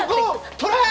トライ！